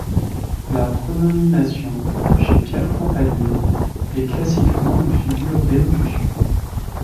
La pronomination, chez Pierre Fontanier, est classiquement une figure d'élocution.